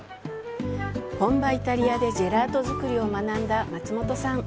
本場イタリアでジェラート作りを学んだ松本さん。